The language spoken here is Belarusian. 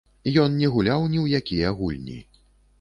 Ён не гуляў ні ў якія гульні.